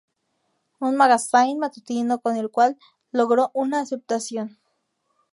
Un magazine matutino con el cual, logró gran aceptación.